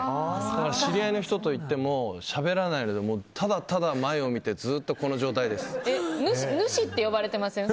だから、知り合いの人と行ってもしゃべらないでただただ前を見て主って呼ばれてません？